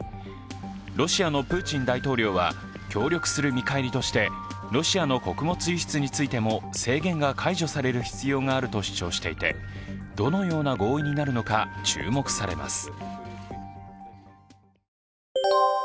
ロシアのプーチン大統領は協力する見返りとしてロシアの穀物輸出についても制限が解除される必要があると主張していて、どのような合意になるのか注目されます。